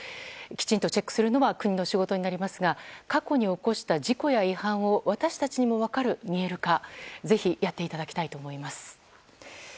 きちんとチェックするのは国の仕事になりますが過去に起こした事故や違反を私たちにも分かる見える化をぜひ、やっていただきたいと思います。